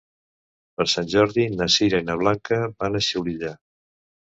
Per Sant Jordi na Sira i na Blanca van a Xulilla.